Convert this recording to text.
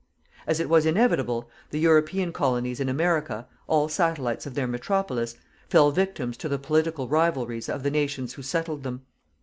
As it was inevitable, the European Colonies in America, all satellites of their metropolis, fell victims to the political rivalries of the nations who settled them.